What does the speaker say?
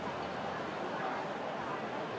สวัสดีครับ